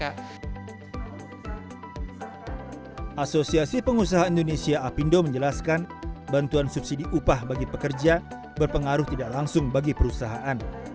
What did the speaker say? asosiasi pengusaha indonesia apindo menjelaskan bantuan subsidi upah bagi pekerja berpengaruh tidak langsung bagi perusahaan